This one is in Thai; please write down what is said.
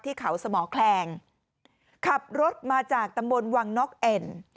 ที่เขาสมแคลงขับรถมาจากตำบลวังน็อกเอ็น